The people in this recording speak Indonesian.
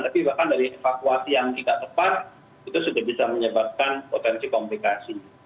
tapi bahkan dari evakuasi yang tidak tepat itu sudah bisa menyebabkan potensi komplikasi